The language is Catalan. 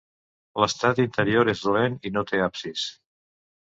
L'estat interior és dolent i no té absis.